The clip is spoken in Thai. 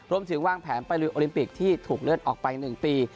รวมถึงวางแผนไปลุยโอลิมปิกที่ถูกเลื่อนออกไป๑ปี